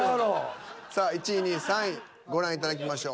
さあ１位２位３位ご覧いただきましょう。